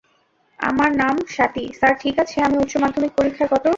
আমার নাম স্বাতী, স্যার - ঠিক আছে আমি উচ্চ মাধ্যমিক পরীক্ষায় কত?